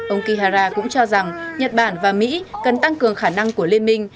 ông kihara cũng cho rằng nhật bản và mỹ cần tăng cường khả năng của liên minh